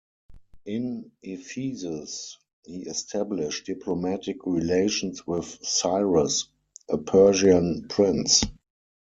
In Ephesus, he established diplomatic relations with Cyrus, a Persian prince.